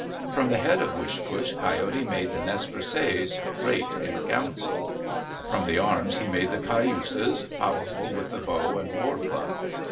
From the head of Wishpoosh, Coyote made the Nez Perces, great in council. From the arms he made the Cayuses, powerful with the bow and war club.